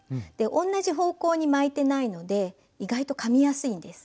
同じ方向に巻いてないので意外とかみやすいんです。